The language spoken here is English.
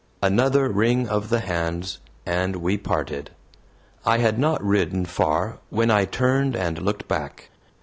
Another wring of the hands, and we parted. I had not ridden far when I turned and looked back.